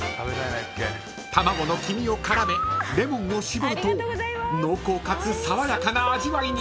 ［卵の黄身を絡めレモンを搾ると濃厚かつ爽やかな味わいに］